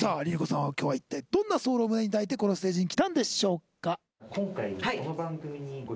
さん今日はいったいどんなソウルを胸に抱いてこのステージに来たんでしょうか。